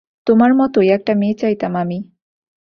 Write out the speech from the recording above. তোমার মতোই একটা মেয়ে চাইতাম আমি।